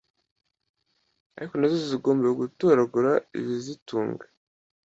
ariko nazo zigomba gutoragura ibizitunga